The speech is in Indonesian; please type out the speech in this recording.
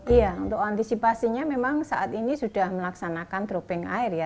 iya untuk antisipasinya memang saat ini sudah melaksanakan dropping air ya